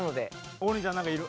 王林ちゃんなんかいる？